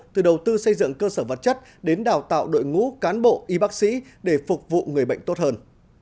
từ đầu tư xây dựng cơ sở vật chất đến đào tạo đội ngũ cán bộ y bác sĩ để phục vụ người bệnh tốt hơn